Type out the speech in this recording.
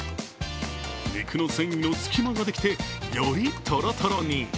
肉の繊維の隙間ができてよりトロトロに。